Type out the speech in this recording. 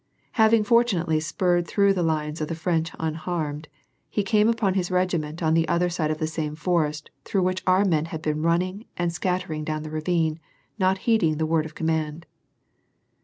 Having fortunately spurred through the line of the French unharmed, he came upon his regiment on the other side of the same forest through which our men had been running and sc^it tering down the ravine, not heeding the word of command.